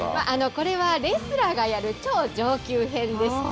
これはレスラーがやる、超上級編ですって。